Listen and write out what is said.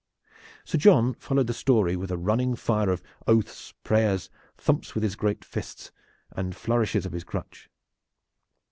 Sir John followed the story with a running fire of oaths, prayers, thumps with his great fist and flourishes of his crutch.